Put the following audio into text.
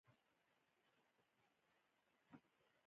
د دهلې بند په کندهار کې دی